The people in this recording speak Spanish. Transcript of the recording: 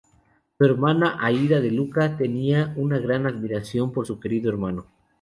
Su Hermana, Aida De Luca tenia una gran admiración por su querido hermano.